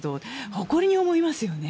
誇りに思いますよね